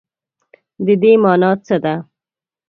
د دې مانا څه ده ؟